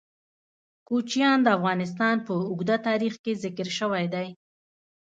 کوچیان د افغانستان په اوږده تاریخ کې ذکر شوی دی.